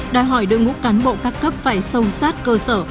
đòi hỏi đội ngũ cán bộ các cấp phải sâu sát cơ sở